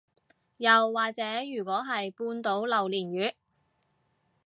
又或者如果係半島榴槤月